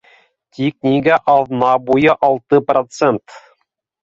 Тик нигә аҙна буйы алты процент?